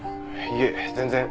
いえ全然。